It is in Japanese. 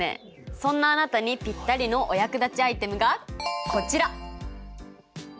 そんなあなたにぴったりのお役立ちアイテムがこちら！